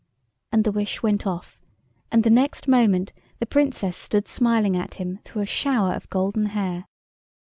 And the wish went off, and the next moment the Princess stood smiling at him through a shower of golden hair.